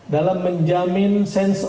dalam menjamin sense of